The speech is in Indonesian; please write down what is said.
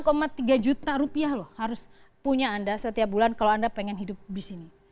rp enam tiga juta loh harus punya anda setiap bulan kalau anda ingin hidup di sini